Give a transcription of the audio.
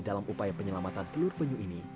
dalam upaya penyelamatan telur penyu ini